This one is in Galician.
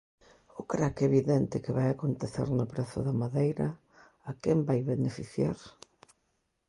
O crac evidente que vai acontecer no prezo da madeira, ¿a quen vai beneficiar?